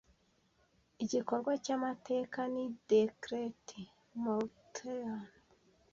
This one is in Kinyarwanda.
Igikorwa cy Amateka ni decret mortehan